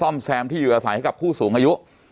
แมวผู้สูงอายุ